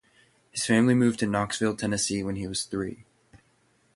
His family moved to Knoxville, Tennessee when he was three.